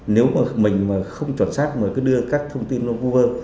nếu mà mình không chuẩn xác mà cứ đưa các thông tin vô vơ